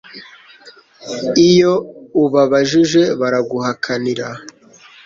iyo ubabajije baraguhakanira